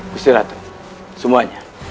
gusti ratu semuanya